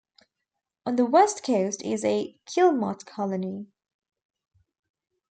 On the west coast is a guillemot colony.